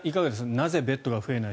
なぜベッドが増えない